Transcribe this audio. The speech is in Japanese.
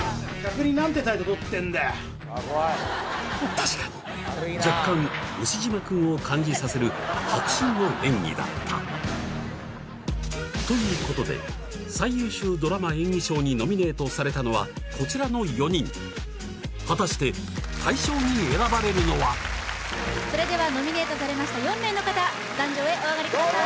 確かに若干「ウシジマくん」を感じさせる迫真の演技だったということで最優秀ドラマ演技賞にノミネートされたのはこちらの４人果たして大賞に選ばれるのはそれではノミネートされました４名の方壇上へお上がりください